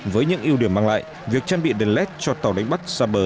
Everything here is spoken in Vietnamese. với những ưu điểm mang lại việc trang bị đèn led cho tàu đánh bắt xa bờ